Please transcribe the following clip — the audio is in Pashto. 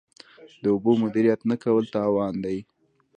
د اوبو مدیریت نه کول تاوان دی.